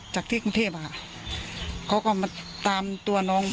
จากที่กรุงเทพอะค่ะเขาก็มาตามตัวน้อง